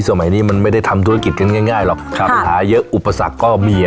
สมัยนี้มันไม่ได้ทำธุรกิจกันง่ายหรอกปัญหาเยอะอุปสรรคก็มี